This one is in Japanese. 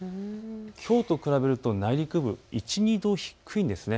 きょうと比べると内陸部、１、２度低いんです。